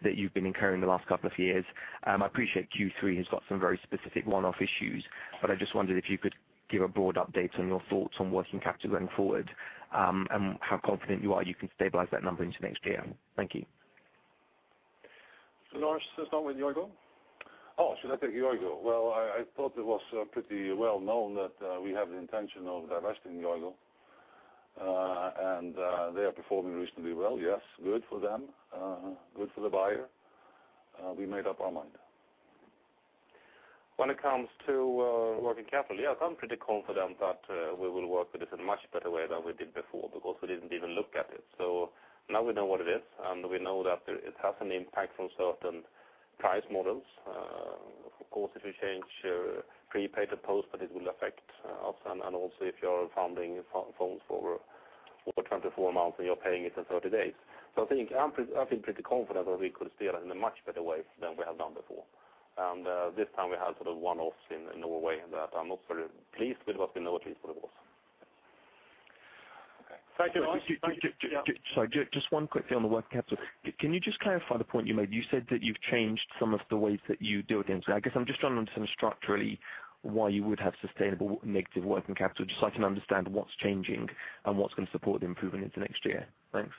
that you've been incurring the last couple of years. I appreciate Q3 has got some very specific one-off issues. I just wondered if you could give a broad update on your thoughts on working capital going forward, and how confident you are you can stabilize that number into next year. Thank you. Lars, let's start with Yoigo. Well, I thought it was pretty well known that we have the intention of divesting Yoigo. They are performing reasonably well. Yes, good for them, good for the buyer. We made up our mind. When it comes to working capital, yes, I'm pretty confident that we will work with it in much better way than we did before because we didn't even look at it. Now we know what it is, and we know that it has an impact on certain price models. Of course, if you change prepaid to post, but it will affect us and also if you're funding phones for 24 months and you're paying it in 30 days. I think I feel pretty confident that we could steer that in a much better way than we have done before. This time we had sort of one-offs in Norway that I'm not very pleased with what the Norwegian was. Okay. Thank you, Lars. Sorry, just one quickly on the working capital. Can you just clarify the point you made? You said that you've changed some of the ways that you deal with it. I guess I'm just trying to understand structurally why you would have sustainable negative working capital, just so I can understand what's changing and what's going to support the improvement into next year. Thanks.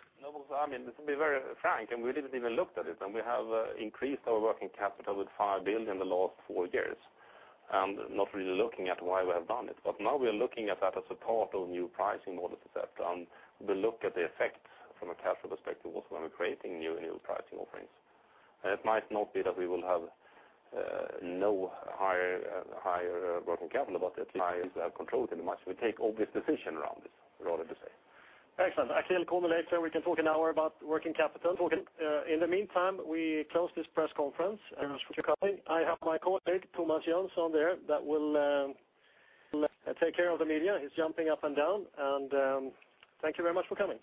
No, because I mean, to be very frank, we didn't even looked at it, we have increased our working capital with 5 billion in the last four years, not really looking at why we have done it. Now we are looking at that as a part of new pricing models et cetera, we look at the effects from a cash flow perspective also when we're creating new pricing offerings. It might not be that we will have no higher working capital, but at least we have controlled it much. We take obvious decision around it, we're allowed to say. Excellent. Akhil, call me later, we can talk an hour about working capital. In the meantime, we close this press conference. Thanks for coming. I have my colleague, Thomas Johansen there, that will take care of the media. He's jumping up and down, thank you very much for coming.